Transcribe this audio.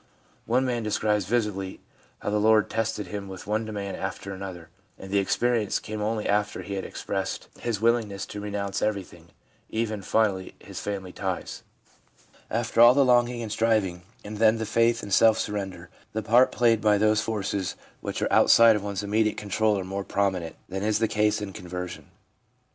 One man describes vividly how the Lord tested him with one demand after another, and the experience came only after he had expressed his willingness to renounce everything — even, finally, his family ties. After all the longing and striving, and then the faith and self surrender, the part played by those forces which are outside of one's immediate control are more prom inent than is the case in conversion.